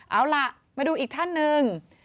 เอาล่ะมาดูอีกท่านหนึ่ง